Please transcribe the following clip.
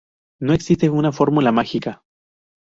No existe una fórmula mágica.